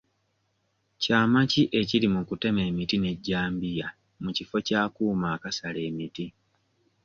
Kyama ki ekiri mu kutema emiti n'ejjambiya mu kifo ky'akuuma akasala emiti?